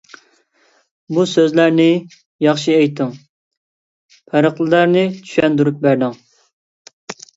بۇ سۆزلەرنى ياخشى ئېيتتىڭ. پەرقلەرنى چۈشەندۈرۈپ بەردىڭ.